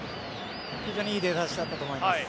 非常にいい出だしだったと思います。